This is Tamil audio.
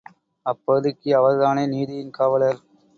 அப்பகுதிக்கு அவர்தானே நீதியின் காவலர்!